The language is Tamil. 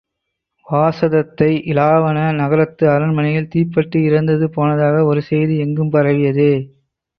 வாசதத்தை இலாவாண நகரத்து அரண்மனையில் தீப்பட்டு இறந்து போனதாக ஒரு செய்தி எங்கும் பரவியதே!